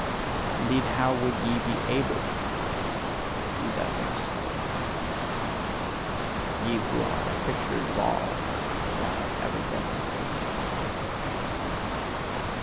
Indeed, how would ye be ABLE to believe, ye divers coloured ones! ye who are pictures of all that hath ever been believed!